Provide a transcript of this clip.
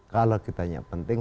kalau kita tanya penting